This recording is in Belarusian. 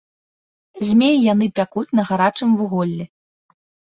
Змей яны пякуць на гарачым вуголлі.